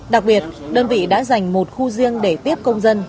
đặc biệt đơn vị đã dành một khu riêng để tiếp công dân